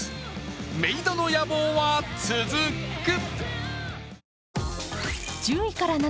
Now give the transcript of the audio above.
メイドの野望は続く。